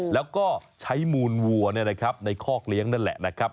แล้วก็ใช้มูลวัวในคอกเลี้ยงนั่นแหละนะครับ